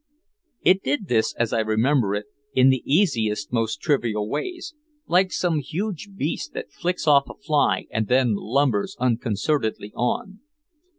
It did this, as I remember it, in the easiest most trivial ways, like some huge beast that flicks off a fly and then lumbers unconcernedly on.